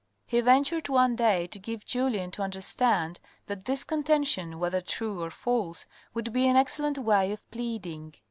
He ventured one day to give Julien to understand that this contention, whether true or false, would be an excellent way of pleading.